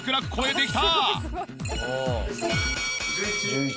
１１。